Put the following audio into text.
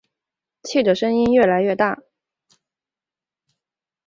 气的声音越来越大